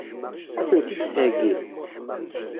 Ad sen-tt-id-theggi?